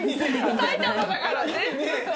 埼玉だからね。